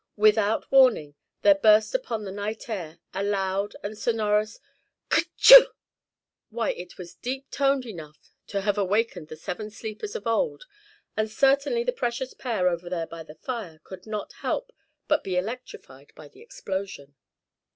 Without warning there burst upon the night air a loud and sonorous "ker chew!" Why, it was deep toned enough to have awakened the Seven Sleepers of old; and certainly the precious pair over there by the fire could not help but be electrified by the explosion.